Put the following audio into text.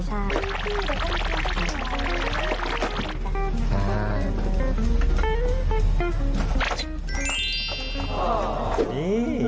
ใช่